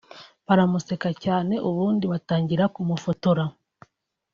baramuseka cyane ubundi batangira kumufotora